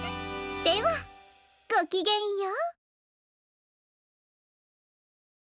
ではごきげんよう。